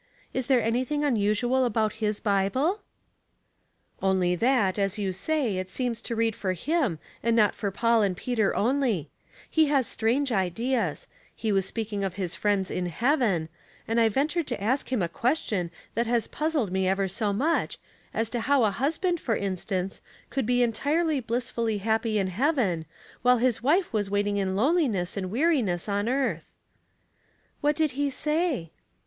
Is there anything unusual about his Bible ?" Only that, as you say, it seems to read for hhn^ and not for Paul and Peter only ; he has strange ideas ; he was speaking of his friends in heaven, and I ventured to ask him a question that has puzzled me ever so much, as to how a husband, for instance, could be entirely bliss fully happy in heaven, while his wife was wait ing in loneliness and weariness on earth." Theology in the Kitchen, 809 *'What did he say?"